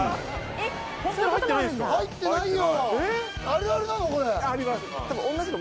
入ってないよ！